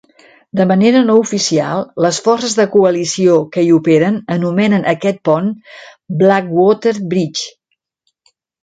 De manera no oficial, les forces de coalició que hi operen anomenen aquest pont "Blackwater Bridge".